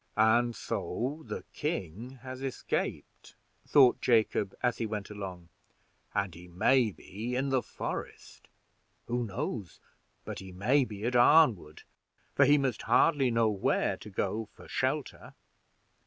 "And so the king has escaped," thought Jacob, as he went along, "and he may be in the forest! Who knows but he may be at Arnwood, for he must hardly know where to go for shelter?